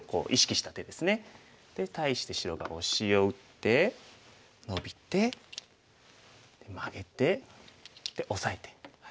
対して白がオシを打ってノビてマゲてオサえて。